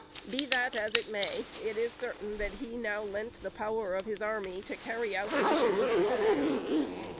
Be that as it may, it is certain that he now lent the power of the army to carry out the wishes of the citizens.